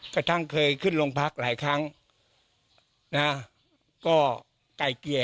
กระทั่งเคยขึ้นลงพักแล้ว